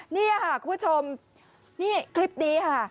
นี่ค่ะคุณผู้ชมนี่คลิปนี้ค่ะ